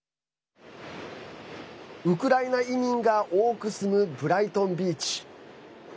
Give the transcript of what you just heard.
ウクライナ移民が多く住むブライトン・ビーチ。